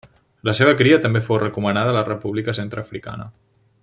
La seua cria també fou recomanada a la República Centreafricana.